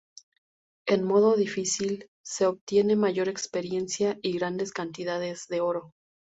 En modo difícil se obtiene mayor experiencia y grandes cantidades de oro.